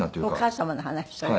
お母様の話？